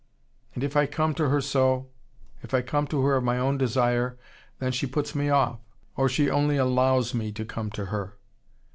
And if I come to her so, if I come to her of my own desire, then she puts me off. She puts me off, or she only allows me to come to her.